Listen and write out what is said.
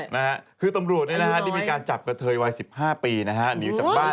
แม่ล้าร่วดเป็นกฏรด้วยและตัวเล็กด้วย